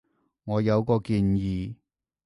我有個建議